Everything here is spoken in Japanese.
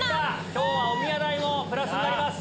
今日はおみや代もプラスになります。